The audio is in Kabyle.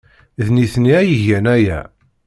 D nitni ay igan aya.